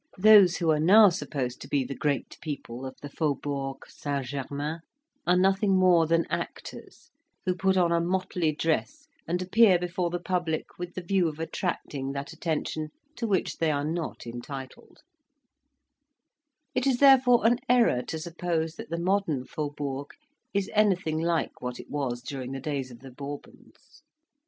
Those who are now supposed to be the great people of the Faubourg St. Germain are nothing more than actors, who put on a motley dress and appear before the public with the view of attracting that attention to which they are not entitled; it is, therefore, an error to suppose that the modern faubourg is anything like what it was during the days of the Bourbons.